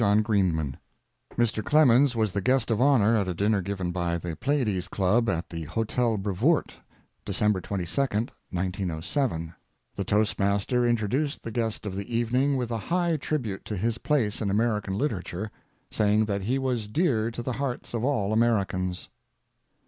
GENERAL MILES AND THE DOG Mr. Clemens was the guest of honor at a dinner given by the Pleiades Club at the Hotel Brevoort, December 22, 1907. The toastmaster introduced the guest of the evening with a high tribute to his place in American literature, saying that he was dear to the hearts of all Americans.